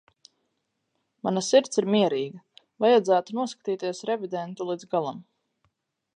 Mana sirds ir mierīga, vajadzētu noskatīties Revidentu līdz galam.